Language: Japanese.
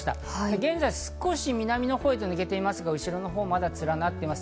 現在、少し南のほうに抜けていますが、後ろのほうはまだ連なっています。